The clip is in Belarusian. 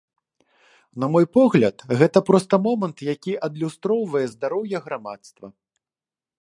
На мой погляд, гэта проста момант, які адлюстроўвае здароўе грамадства.